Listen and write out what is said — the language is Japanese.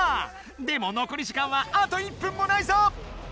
でものこり時間はあと１分もないぞ！